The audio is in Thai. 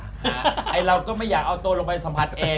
เราก็ไม่อยากเอาตัวลงไปสัมผัสเอง